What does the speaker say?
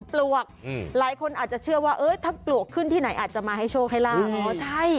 เปลี่ยนปลวกหลายคนอาจจะเชื่อว่าถ้าเปลี่ยนปลวกขึ้นที่ไหนอาจจะมาให้โชคให้ล่ะ